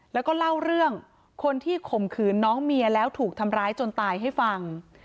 แล้วก็เล่าเรื่องคนที่ข่มขืนน้องเมียแล้วถูกทำร้ายจนตายให้ฟัง